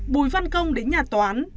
bùi văn công đến nhà toán